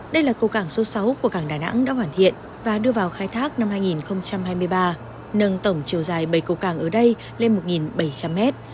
đây là cầu cảng số sáu của cảng đà nẵng đã hoàn thiện và đưa vào khai thác năm hai nghìn hai mươi ba nâng tổng chiều dài bảy cầu cảng ở đây lên một bảy trăm linh mét